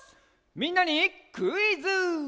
みんなにクイズ！